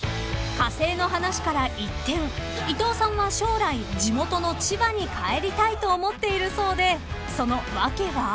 ［火星の話から一転伊藤さんは将来地元の千葉に帰りたいと思っているそうでその訳は？］